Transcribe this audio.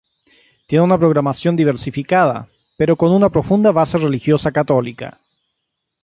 Tiene una programación diversificada, pero con una profunda base religiosa católica.